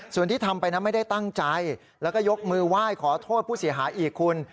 ส่วนที่ทำไปนะไม่ได้ตั้งใจแล้วก็ยกมือไหว้ขอโทษผู้เสียหายอีกคุณ